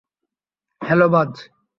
Hello, বায।